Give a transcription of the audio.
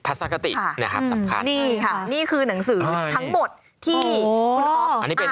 ภาษากติสำคัญนะครับนี่ค่ะนี่คือหนังสือทั้งหมดที่คุณอ๊อฟอ่าน